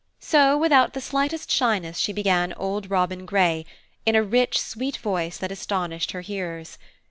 So without the slightest shyness she began Old Robin Grey, in a rich sweet voice that astonished her hearers.